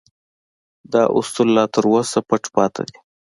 دا اصول لا تر اوسه پټ پاتې دي